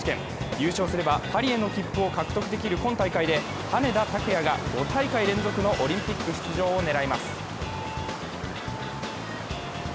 優勝すればパリへの切符を獲得できる今大会で、羽根田卓也が５大会連続のオリンピック出場を狙います。